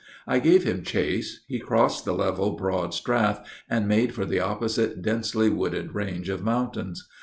I gave him chase. He crossed the level, broad strath, and made for the opposite densely wooded range of mountains.